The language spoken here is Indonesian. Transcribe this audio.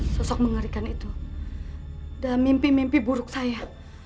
sosok mengerikan itu dan mimpi mimpi buruk saya